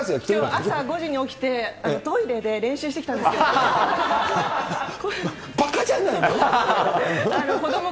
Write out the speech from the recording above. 朝５時に起きて、トイレで練習してきたんですけれども。